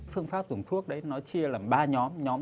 phương pháp dùng thuốc đấy nó chia làm ba nhóm nhóm